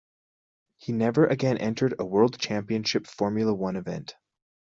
He never again entered a World Championship Formula One event.